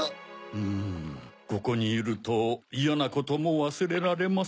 うんここにいるとイヤなこともわすれられます。